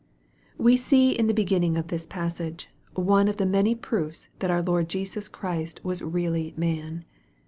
WE see in the beginning of this passage, one of the many proofs that our Lord Jesus Christ was really man.